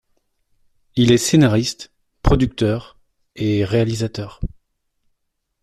Il est scénariste, producteur et réalisateur.